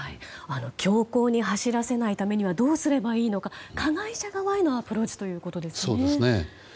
凶行に走らせないためにはどうすればいいのか加害者側へのアプローチということですね。